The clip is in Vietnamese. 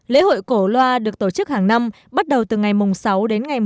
lễ hội cổ loa được tổ chức hàng năm bắt đầu từ ngày mùng sáu đến ngày một mươi